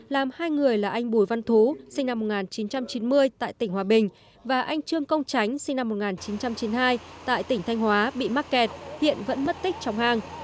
làm hai người là anh bùi văn thú sinh năm một nghìn chín trăm chín mươi tại tỉnh hòa bình và anh trương công tránh sinh năm một nghìn chín trăm chín mươi hai tại tỉnh thanh hóa bị mắc kẹt hiện vẫn mất tích trong hang